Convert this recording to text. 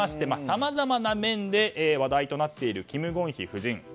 さまざまな面で話題となっているキム・ゴンヒ夫人。